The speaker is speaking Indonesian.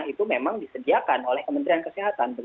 itu memang disediakan oleh kementerian kesehatan